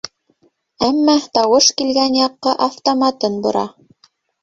Әммә тауыш килгән яҡҡа автоматын бора.